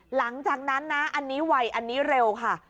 หลังจากนั้นนะอันนี้ไวอันนี้เร็วค่ะ